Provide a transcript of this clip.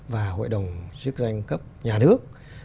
và hội đồng chức danh cấp nhà nước